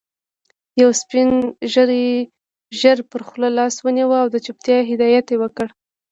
يو سپين ږيري ژر پر خوله لاس ونيو او د چوپتيا هدایت يې وکړ.